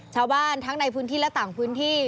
ชาวบ้านทั้งในพื้นที่และต่างพื้นที่